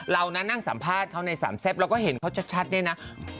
เรานะนั่งสัมภาษณ์เขาในสามแซ่บเราก็เห็นเขาชัดเนี่ยนะ